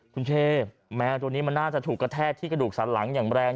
คุณเชแมวตัวนี้มันน่าจะถูกกระแทกที่กระดูกสันหลังอย่างแรง